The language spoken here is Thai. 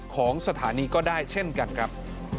ของสถานีก็ได้เช่นกันครับ